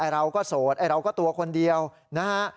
เราก็โสดเราก็ตัวคนเดียวนะฮะ